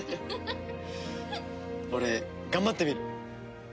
俺頑張ってみる。